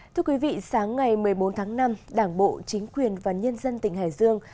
thưa quý vị sáng ngày một mươi bốn tháng năm đảng bộ chính quyền và nhân dân tỉnh hải dương